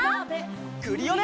クリオネ！